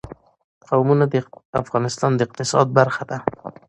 قومونه د افغانستان د اقتصاد برخه ده.